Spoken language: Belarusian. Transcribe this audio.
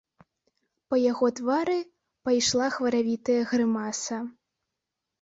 Па яго твары пайшла хваравітая грымаса.